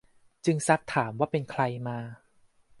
จึงซักถามว่าเป็นใครมา